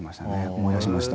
思い出しました。